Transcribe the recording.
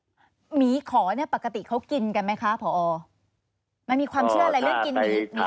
หมีขอปกติเขากินกันไหมครับผอ